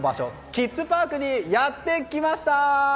キッズパークにやってきました！